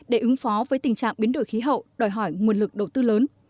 để ứng phó với tình trạng biến đổi khí hậu đòi hỏi nguồn lực đầu tư lớn